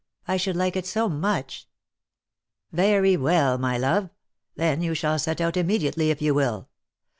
I should like it so much !"" Very well, my love — then you shall set out immediately if you will.